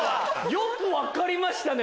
よく分かりましたね！